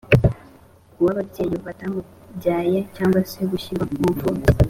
uw’ababyeyi batamubyaye cyangwa se gushyirwa mu mfubyi